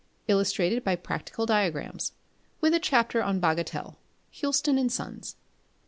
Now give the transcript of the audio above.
Illustrated by practical diagrams. With a chapter on Bagatelle: Houlston and Sons.